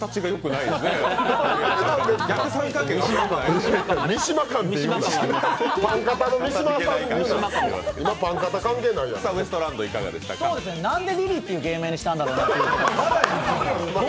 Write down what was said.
なんでリリーという芸名にしたんだろうって。